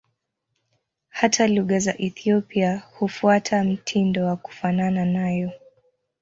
Hata lugha za Ethiopia hufuata mtindo wa kufanana nayo.